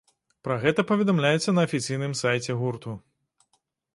Пра гэта паведамляецца на афіцыйным сайце гурту.